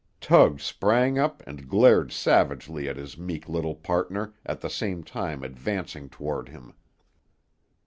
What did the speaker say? Tug sprang up and glared savagely at his meek little partner, at the same time advancing toward him.